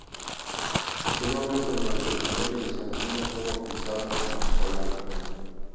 Posteriormente, durante el Imperio bizantino fue rebautizada como Salona.